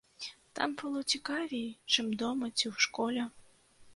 Там было цікавей, чым дома ці ў школе.